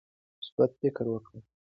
مثبت فکر وکړئ.